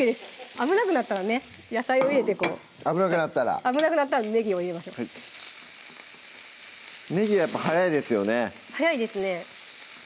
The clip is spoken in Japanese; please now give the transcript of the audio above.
危なくなったらね野菜を入れてこう危なくなったら危なくなったらねぎを入れましょうねぎはやっぱ早いですよね早いですね